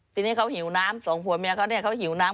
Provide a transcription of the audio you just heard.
ทีนี้เขาหิวน้ำสองผัวเมียเขาเนี่ยเขาหิวน้ำ